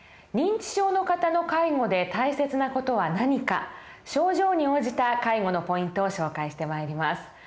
認知症の方の介護で大切な事は何か症状に応じた介護のポイントを紹介してまいります。